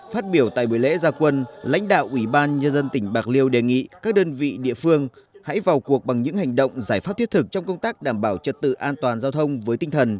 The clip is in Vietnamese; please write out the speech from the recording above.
phát biểu tại buổi lễ gia quân lãnh đạo ủy ban nhân dân tỉnh bạc liêu đề nghị các đơn vị địa phương hãy vào cuộc bằng những hành động giải pháp thiết thực trong công tác đảm bảo trật tự an toàn giao thông với tinh thần